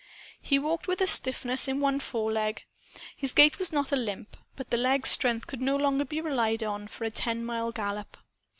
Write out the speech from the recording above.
He walked with a stiffness in one foreleg. His gait was not a limp. But the leg's strength could no longer be relied on for a ten mile gallop.